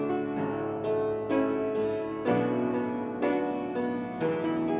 mbak desi nyanyi